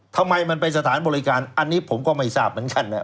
ทำไมมันเป็นสถานบริการอันนี้ผมก็ไม่ทราบเหมือนกันนะ